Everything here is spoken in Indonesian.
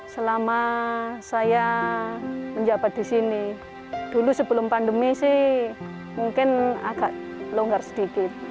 selama saya menjabat di sini dulu sebelum pandemi sih mungkin agak longgar sedikit